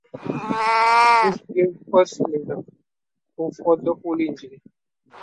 This gave per cylinder, or for the whole engine.